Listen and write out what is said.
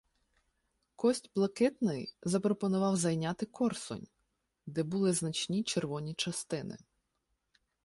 Кость Блакитний запропонував зайняти Корсунь, де були значні червоні частини.